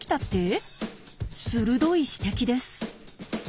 鋭い指摘です。